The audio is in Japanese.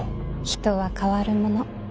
人は変わるもの。